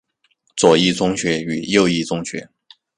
左翼宗学与右翼宗学。